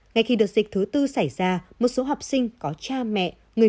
ngay khi đợt dịch thứ tư xảy ra một số học sinh có cha mẹ người